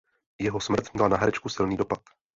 Jeho smrt měla na herečku silný dopad.